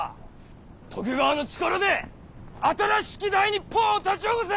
徳川の力で新しき大日本を立ち起こせ！